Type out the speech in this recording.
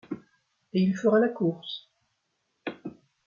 Et il fera la course ?